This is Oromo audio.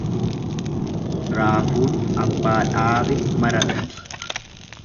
Raafuun abbaa dhaabe mararti.